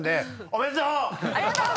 おめでとう！